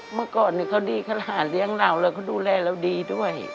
เมื่อก่อนเขาดีขนาดเลี้ยงเราแล้วเขาดูแลเราดีด้วย